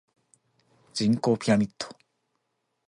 人口ピラミッド